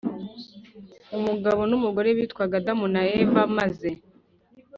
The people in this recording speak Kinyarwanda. umugabo n’umugore bitwaga adamu na eva maze